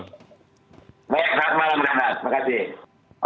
baik selamat malam bang andi terima kasih